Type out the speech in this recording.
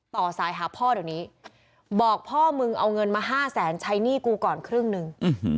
ต่อสายหาพ่อเดี๋ยวนี้บอกพ่อมึงเอาเงินมา๕แสนใช้หนี้กูก่อนครึ่งหนึ่ง